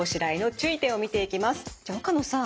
じゃ岡野さん